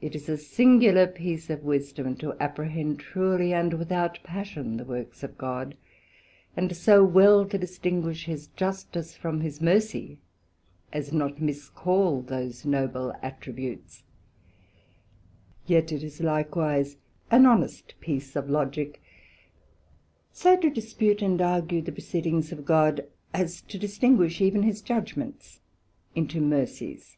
It is a singular piece of Wisdom to apprehend truly, and without passion, the Works of God, and so well to distinguish his Justice from his Mercy, as not miscall those noble Attributes: yet it is likewise an honest piece of Logick, so to dispute and argue the proceedings of God, as to distinguish even his judgments into mercies.